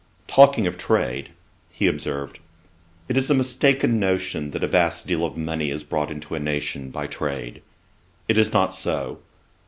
Talking of trade, he observed, 'It is a mistaken notion that a vast deal of money is brought into a nation by trade. It is not so.